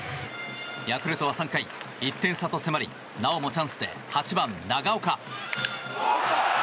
ヤクルトは３回１点差と迫りなおもチャンスで８番、長岡。